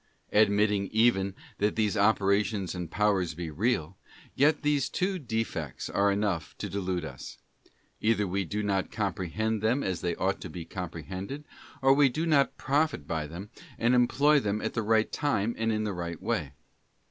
Admitting even that these operations and powers be real, yet these two defects are enough to delude us: either we do not comprehend them as they ought to be comprehended, or we do not profit by them and employ them at the right time and in the right way.